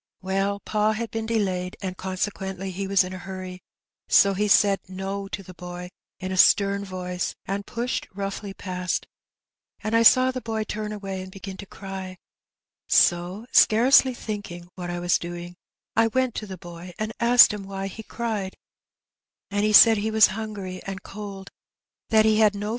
Well, pa had been delayed, and consequently he was in a hurry, so he said 'No' to the boy in a stem voice, and pushed roughly past, and I saw the boy turn away and begin to cry; so, scarcely thinking what I was doing, I went to the boy, and asked him why he cried, and he said he was hungry and cold, that he had no 268 Hee Benny.